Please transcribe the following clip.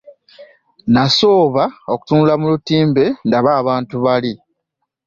Nasooba okukeberera mu lutimbe ndabe abantu bali.